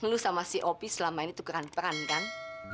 lo sama si opi selama ini tukeran peran kan